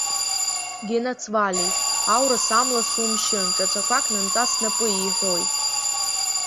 Генацвалеи, аурыс, амла сумшьын, ҿаҵақәак нанҵа снапы иҳәоит.